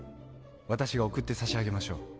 私が送ってさしあげましょう。